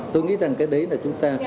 tôi nghĩ rằng cái đấy là chúng ta